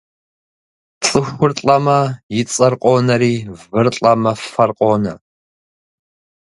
Цӏыхур лӏэмэ и цӏэр къонэри, выр лӏэмэ фэр къонэ.